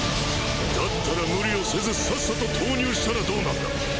だったら無理をせずさっさと投入したらどうなんだ。